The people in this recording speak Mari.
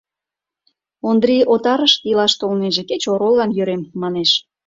Ондрий отарышке илаш толнеже: «Кеч ороллан йӧрем», — манеш.